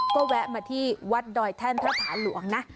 ก็แวะมาที่วัดดอยแท่นพระผาหลวงนะ